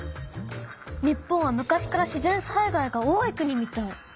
日本は昔から自然災害が多い国みたい。